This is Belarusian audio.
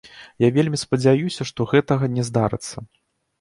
Я вельмі спадзяюся, што гэтага не здарыцца.